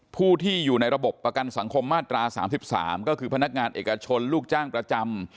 ผู้ที่อยู่ในระบบประกันสังคมมาตรา๓๓ก็คือพนักงานเอกชนลูกจ้างประจำ